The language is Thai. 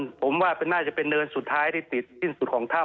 ผมว่าน่าจะเป็นเนินสุดท้ายที่ติดสิ้นสุดของถ้ำ